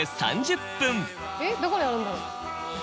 えっどこにあるんだろう。